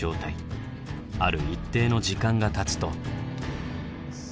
ある一定の時間がたつと。